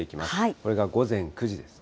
これが午前９時ですね。